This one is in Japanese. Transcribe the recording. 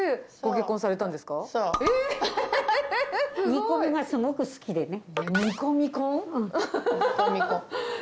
煮込みがすごく好きでね。